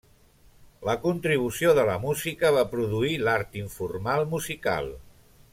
La contribució de la música va produir l'art informal musical.